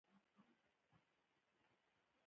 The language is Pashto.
رومي ښېګڼې